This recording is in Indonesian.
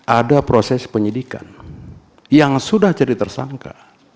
ada proses penyidikan yang sudah jadi tersangka